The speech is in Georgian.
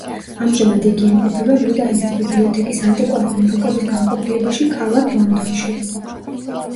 ამჟამად იგი იმყოფება ბრიტანეთის ბიბლიოთეკის ანტიკვარული რუკების განყოფილებაში ქალაქ ლონდონში.